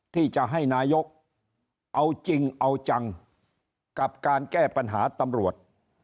ที่จะให้นายกเอาจริงเอาจังกับการแก้ปัญหาตำรวจ